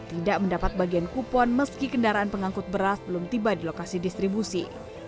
tidak mendapat bagian kupon meski kendaraan pengangkut beras belum tiba di lokasi distribusi